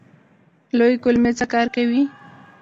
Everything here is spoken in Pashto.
لویې کولمې څه کار کوي؟